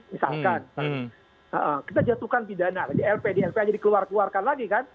misalkan kita jatuhkan pidana di lp di lpa jadi keluar keluarkan lagi kan